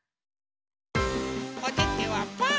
おててはパー。